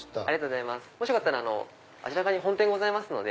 ありがとうございます。